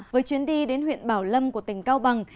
với chuyến đi đến huyện bảo lâm của tỉnh cao bằng